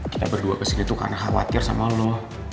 kita berdua kesini tuh karena khawatir sama lo